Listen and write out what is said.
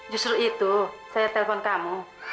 justru itu saya telpon kamu